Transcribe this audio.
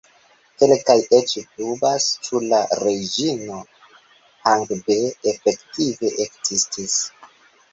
Kelkaj eĉ dubas ĉu la Reĝino Hangbe efektive ekzistis.